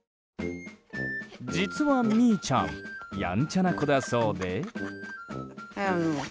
実はミーちゃんやんちゃな子だそうで。